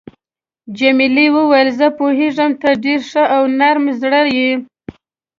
جميلې وويل: زه پوهیږم ته ډېر ښه او نرم زړی یې.